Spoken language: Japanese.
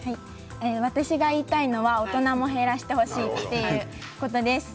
私が言いたいのは大人も減らしてほしいということです。